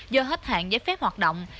do hết hạn giấy phép hoạt động